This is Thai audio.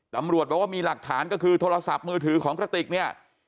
ตำรวจบอกว่ามีหลักฐานก็คือโทรศัพท์มือถือของกระติกเนี่ย